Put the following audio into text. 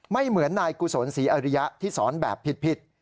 ไม่เหมือนนายกุศลศรีอริยะที่สอนแบบผิด